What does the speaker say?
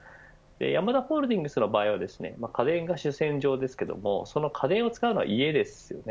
ヤマダホールディングスの場合は家電が主戦場ですけどその家電を使うのは家ですよね。